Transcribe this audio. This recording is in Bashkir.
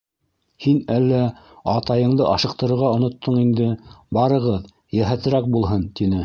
— Һин әллә атайыңды ашыҡтырырға оноттоң инде, барығыҙ, йәһәтерәк булһын, — тине.